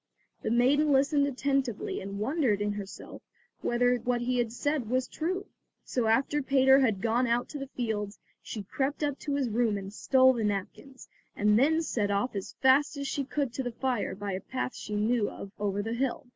The maiden listened attentively and wondered in herself whether what he said was true. So after Peter had gone out to the fields, she crept up to his room and stole the napkins and then set off as fast as she could to the fire by a path she knew of over the hill.